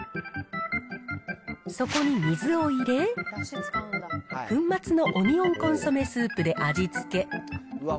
そこに水を入れ、粉末のオニオンコンソメスープで味付け。